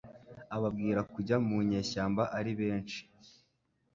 ababwira kujya munyeshyamba ari benshi